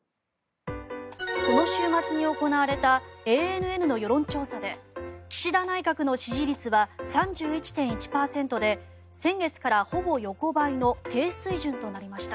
この週末に行われたＡＮＮの世論調査で岸田内閣の支持率は３１．１％で先月からほぼ横ばいの低水準となりました。